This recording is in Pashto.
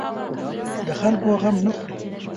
د خلکو غم نه خوري.